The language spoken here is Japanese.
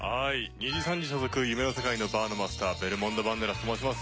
にじさんじ所属夢の世界のバーのマスターベルモンド・バンデラスと申します。